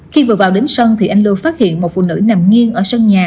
khi vừa vào đến sân thì anh lưu phát hiện một phụ nữ nằm nghiêng ở sân nhà